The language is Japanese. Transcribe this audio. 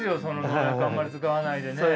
農薬あんまり使わないでね。